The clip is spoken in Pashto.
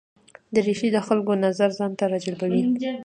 دریشي د خلکو نظر ځان ته راجلبوي.